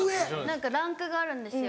何かランクがあるんですよ。